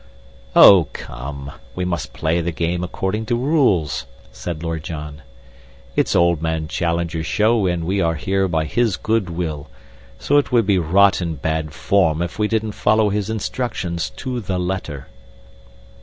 "Oh, come, we must play the game accordin' to rules," said Lord John. "It's old man Challenger's show and we are here by his good will, so it would be rotten bad form if we didn't follow his instructions to the letter."